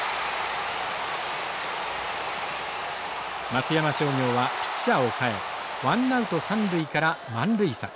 松山商業はピッチャーを代えワンナウト三塁から満塁策。